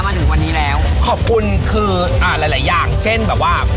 มาถึงวันนี้แล้วขอบคุณคืออ่าหลายหลายอย่างเช่นแบบว่า